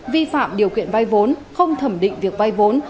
vi phạm điều kiện vay vốn không thẩm định việc vay vốn